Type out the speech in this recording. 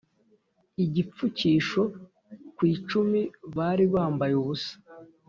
igipfukisho ku icumi bari bambaye ubusa.